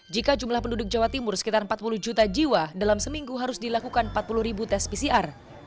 jika jumlah penduduk jawa timur sekitar empat puluh juta jiwa dalam seminggu harus dilakukan empat puluh ribu tes pcr